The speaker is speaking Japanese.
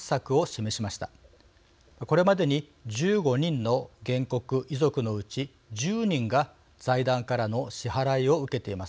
これまでに１５人の原告遺族のうち１０人が財団からの支払いを受けています。